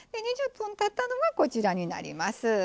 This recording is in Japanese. ２０分たったのがこちらになります。